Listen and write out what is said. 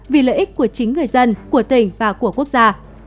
vì lợi ích của chính người dân của tỉnh và của quốc gia